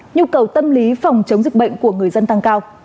nhu cầu tâm lý phòng chống dịch bệnh của người dân tăng cao